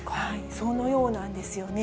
そのようなんですね。